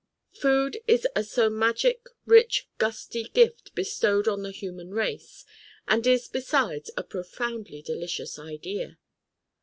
Food is a so magic rich gusty gift bestowed on the human race: and is besides a profoundly delicious Idea.